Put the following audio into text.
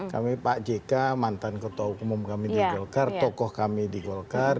kami pak jk mantan ketua umum kami di golkar tokoh kami di golkar